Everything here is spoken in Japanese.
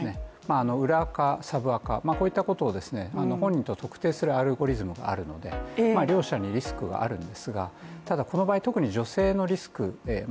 裏アカ、サブアカ、本人と特定するアルゴリズムがあるので両者にリスクがあるんですが、ただこの場合、特に女性、売る側のリスク。